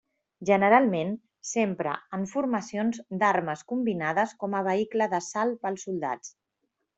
Generalment s'empra en formacions d'armes combinades com a vehicle d'assalt pels soldats.